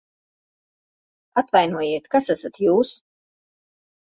Atvainojiet, kas esat jūs?